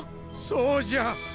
そうじゃ。